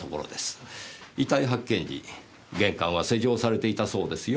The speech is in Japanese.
遺体発見時玄関は施錠されていたそうですよ。